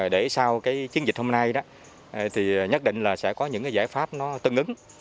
để sau chiến dịch hôm nay nhất định sẽ có những giải pháp tân ứng